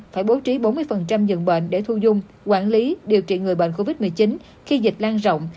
phải bố trí bốn mươi dường bệnh để thu dung quản lý điều trị người bệnh covid một mươi chín khi dịch lan rộng